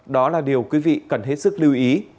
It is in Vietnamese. đó là điều quý vị cần hết sức lưu ý